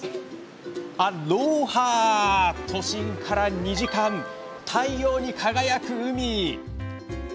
都心から２時間太陽に輝く海。